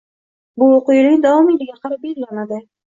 Bu o‘quv yilining davomiyligiga qarab belgilanadi;